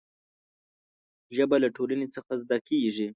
ژبه له ټولنې څخه زده کېږي.